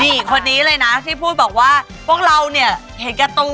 มีคนนี้เลยนะที่คุณบอกว่าพวกเรานี่เห็นกันตัว